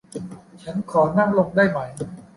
ฉันขอนั่งลงได้ไหม